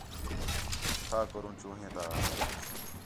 چَھا کرو چوہیں تا